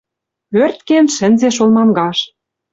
Ӧрткен шӹнзеш олмангаш...